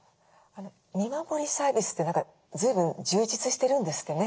見守りサービスって何か随分充実してるんですってね？